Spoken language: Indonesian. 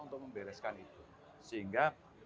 untuk membereskan itu sehingga